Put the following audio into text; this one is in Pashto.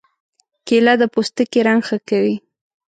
کېله د پوستکي رنګ ښه کوي.